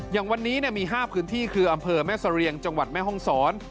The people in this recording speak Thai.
อย่างวันนี้มี๕พื้นที่คืออำเภอแม่เสรียงจังหวัดแม่ห้องศร